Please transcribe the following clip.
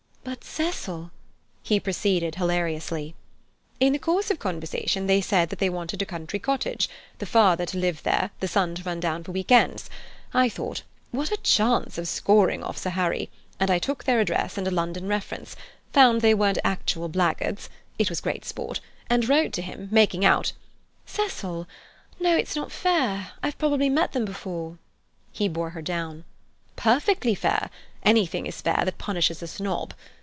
"But, Cecil—" proceeded hilariously. "In the course of conversation they said that they wanted a country cottage—the father to live there, the son to run down for week ends. I thought, 'What a chance of scoring off Sir Harry!' and I took their address and a London reference, found they weren't actual blackguards—it was great sport—and wrote to him, making out—" "Cecil! No, it's not fair. I've probably met them before—" He bore her down. "Perfectly fair. Anything is fair that punishes a snob.